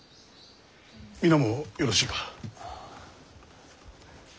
皆もよろしいか。